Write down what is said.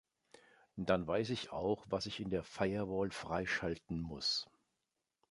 Dann weiß ich auch, was ich in der Firewall freischalten muss.